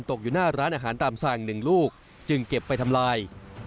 ตกอยู่หน้าร้านอาหารตามสั่ง๑ลูกจึงเก็บไปทำลาย